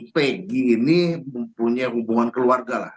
pg ini mempunyai hubungan keluarga lah